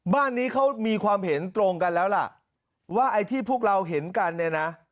บ้านนี้เขามีความเห็นตรงกันแล้วล่ะว่าไอ้ที่พวกเราเห็นกันเนี่ยนะ